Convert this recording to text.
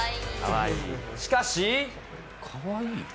しかし。